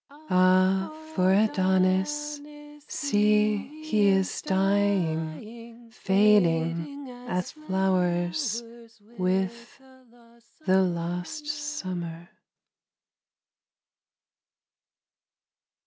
Ah, for Adonis! See, he is dying, Fading as flowers With the lost summer.